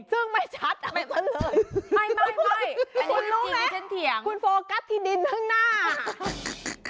ซึ่งไม่ชัดไม่ไม่ไม่ไม่คุณรู้ไหมคุณโฟกัสที่ดินทั้งหน้า